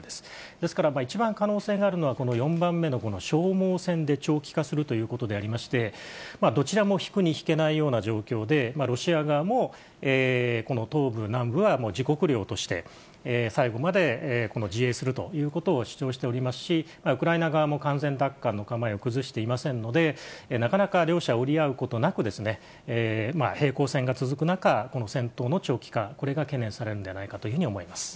ですから一番可能性があるのは、この４番目の消耗戦で長期化するということでありまして、どちらも引くに引けないような状況で、ロシア側もこの東部、南部は、もう自国領として最後まで自衛するということを主張しておりますし、ウクライナ側も完全奪還の構えを崩していませんので、なかなか両者折り合うことなく、平行線が続く中、この戦闘の長期化、これが懸念されるんではないかというふうに思います。